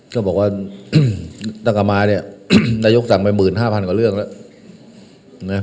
ท่านบอกว่าตะกะมายเนี่ยนายกสั่งไปหมื่นห้าพันกว่าเรื่องแล้ว